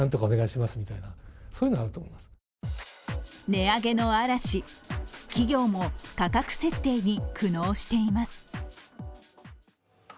値上げの嵐、企業も価格設定に苦悩しています。